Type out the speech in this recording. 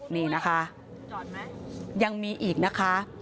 นี่นะคะยังมีอีกนะคะ